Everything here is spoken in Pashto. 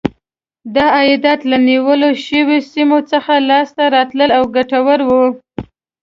دا عایدات له نیول شویو سیمو څخه لاسته راتلل او ګټور و.